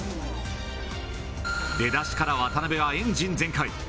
出だしから渡辺はエンジン全開。